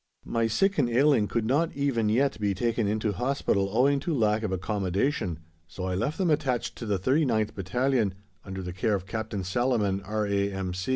My sick and ailing could not even yet be taken into Hospital owing to lack of accommodation, so I left them attached to the 39th Battalion, under the care of Captain Salaman, R.A.M.